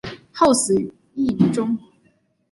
后死于狱中。